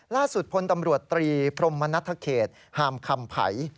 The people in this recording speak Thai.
ล่าสุดพลตำรวจตรีพรมมณฑเขตห่ามคำภัย